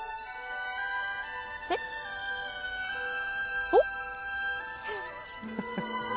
えっ。おっ？